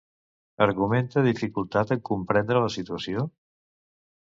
Argumenta dificultat en comprendre la situació?